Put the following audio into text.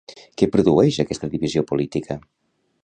Què produeix aquesta divisió política?